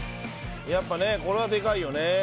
やっぱねこれはでかいよね。